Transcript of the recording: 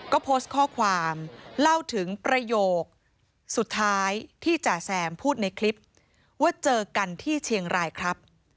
ก็โพสต์ข้อความเล่าถึงประโยคสุดท้ายที่จ่าแซมพูดในคลิปว่าเจอกันที่เชียงรายครับ